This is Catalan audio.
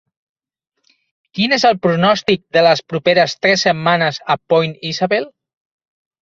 quin és el pronòstic de les properes tres setmanes a Point Isabel